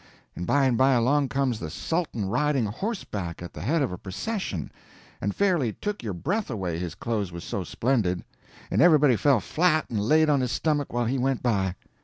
And by and by along comes the Sultan riding horseback at the head of a procession, and fairly took your breath away his clothes was so splendid; and everybody fell flat and laid on his stomach while he went by.